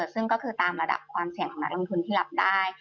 ซึ่งก็คือตามระดับความเสี่ยงของนักลงทุนที่รับได้